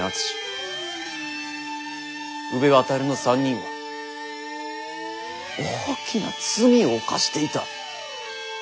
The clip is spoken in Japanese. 宇部渉の３人は大きな罪を犯していた。